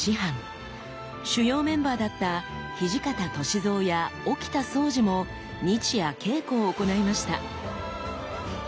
主要メンバーだった土方歳三や沖田総司も日夜稽古を行いました。